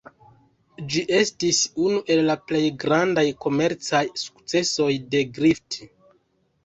Ĝi estis unu el la plej grandaj komercaj sukcesoj de Griffith.